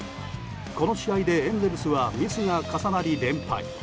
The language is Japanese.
この試合でエンゼルスはミスが重なり連敗。